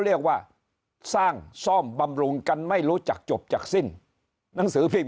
เรียกว่าสร้างซ่อมบำรุงกันไม่รู้จักจบจากสิ้นหนังสือพิมพ